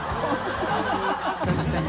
確かに。